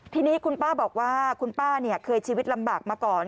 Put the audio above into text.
ทีนี้คุณป้าบอกว่าคุณป้าเคยชีวิตลำบากมาก่อน